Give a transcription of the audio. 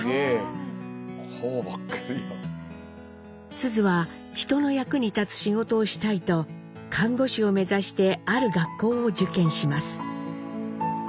須壽は人の役に立つ仕事をしたいと看護師を目指してある学校を受験します。